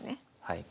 はい。